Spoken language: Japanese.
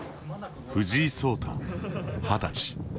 藤井聡太、二十歳。